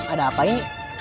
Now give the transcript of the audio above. ada apa ini